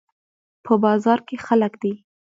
په بازار کې خلک دي